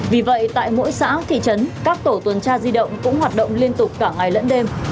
vì vậy tại mỗi xã thị trấn các tổ tuần tra di động cũng hoạt động liên tục cả ngày lẫn đêm